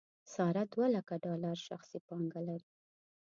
ساره دولکه ډالر شخصي پانګه لري.